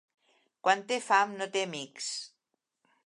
Quan té fam no té amics